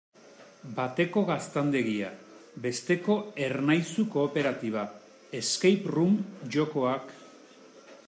Bateko gaztandegia, besteko Ernaizu kooperatiba, escape-room jokoak...